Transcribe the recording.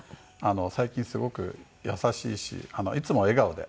最近すごく優しいしいつも笑顔で。